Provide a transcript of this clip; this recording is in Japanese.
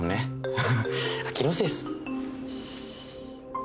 ハハハ気のせいっす。